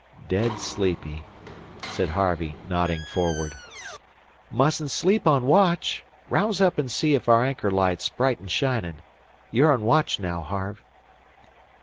"Dead sleepy," said Harvey, nodding forward. "Mustn't sleep on watch. Rouse up an' see ef our anchor light's bright an' shinin'. You're on watch now, Harve."